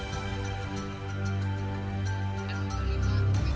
kami ingin membuat kekuatan kami